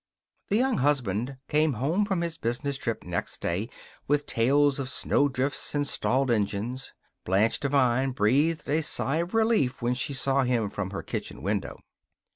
The Young Husband came home from his business trip next day with tales of snowdrifts and stalled engines. Blanche Devine breathed a sigh of relief when she saw him from her kitchen window.